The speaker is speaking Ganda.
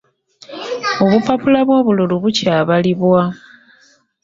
Obupapula bw'obululu bukyabalibwa..